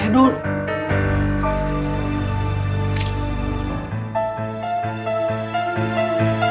dun jangan tinggalin saya dun